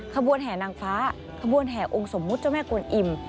ขบวนแห่นางฟ้าขบวนแห่องสมมุติเจ้าแม่กวนอิ่ม